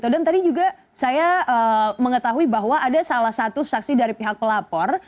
dan tadi juga saya mengetahui bahwa ada salah satu saksi dari pihak pelapor